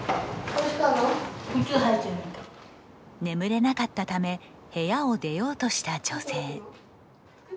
眠れなかったため部屋を出ようとした女性。